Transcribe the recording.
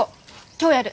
今日やる！